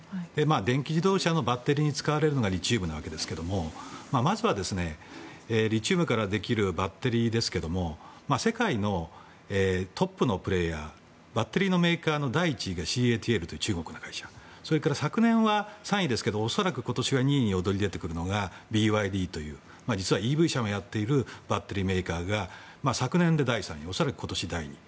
電気自動車のバッテリーに使われるのがリチウムなわけですがまずはリチウムからできるバッテリーですが世界のトップのプレーヤーバッテリーのメーカーの第１位がＣＡＴＬという中国の会社それから昨年は３位ですが恐らく今年は２位に躍り出てくるのがＢＹＤという実はＥＶ車もやっているメーカーが昨年で第３位恐らく今年は第２位。